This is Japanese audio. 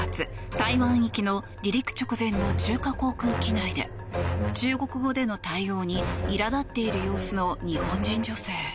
台湾行きの離陸直前の中華航空機内で中国語での対応にいら立っている様子の日本人女性。